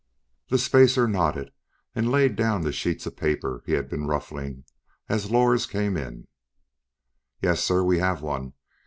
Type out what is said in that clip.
The spacer nodded and laid down the sheets of paper he had been ruffling as Lors came in. "Yes sir, we have one.